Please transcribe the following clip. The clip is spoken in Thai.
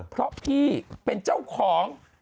เพราะพี่เป็นเจ้าของ